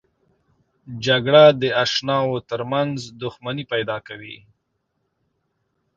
جګړه د اشناو ترمنځ دښمني پیدا کوي